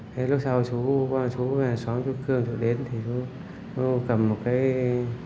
thế lúc sau chú chú về xóm chú cương chú đến thì chú cầm một cái